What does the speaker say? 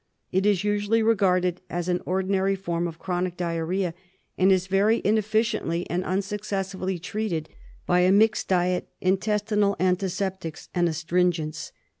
It is usually regarded as an ordinary form of chronic diarrhoea, and is very inefficiently and unsuccessfully treated by a mixed diet, intestinal antiseptics, and astringents.